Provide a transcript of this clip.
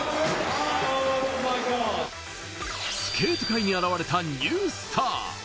スケート界に現れた、ニュースター。